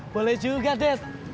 boleh juga det